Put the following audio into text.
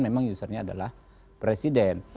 memang usernya adalah presiden